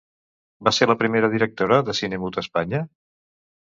Va ser la primera directora de cine mut a Espanya?